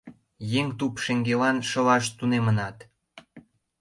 — Еҥ туп шеҥгелан шылаш тунемынат.